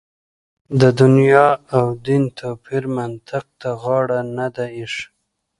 د دنیا او دین توپیر منطق ته غاړه نه ده اېښې.